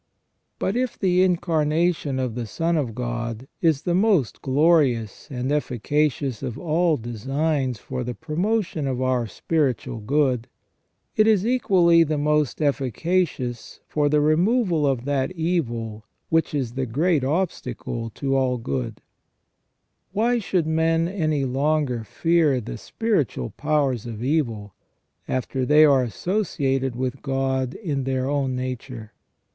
But if the Incarnation of the Son of God is the most glorious and efficacious of all designs for the promotion of our spiritual good, it is equally the most efficacious for the removal Of that evil which is the great obstacle to all good Why should men any longer fear the spiritual powers of evil, after they are associated with God in their own nature